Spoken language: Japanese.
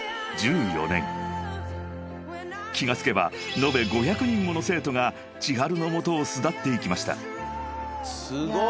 ［気が付けば延べ５００人もの生徒がｃｈｉｈａｒｕの元を巣立っていきました］